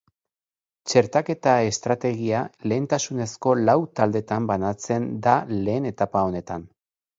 Txertaketa-estrategia lehentasunezko lau taldetan banatzen da lehen etapa honetan.